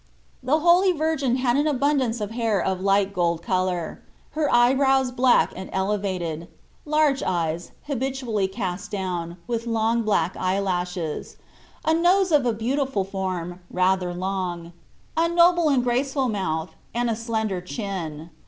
The Holy Virgin had an abun dance of hair of a light gold colour ; her eyebrows black and elevated ; large eyes, habitually cast down, with long black eye lashes ; a nose of a beautiful form, rather io Ube IRatixntp of long ; a noble and graceful mouth, and a slender chin.